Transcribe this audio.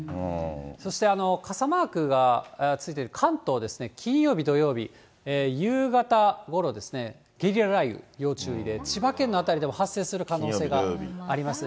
そして傘マークがついている関東ですね、金曜日、土曜日、夕方ごろですね、ゲリラ雷雨要注意で、千葉県の辺りでも発生する可能性がありますね。